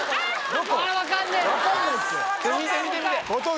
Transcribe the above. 見て見て見て！